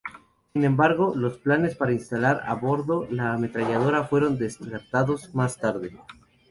Sin embargo, los planes para instalar a bordo la ametralladora fueron descartados más tarde.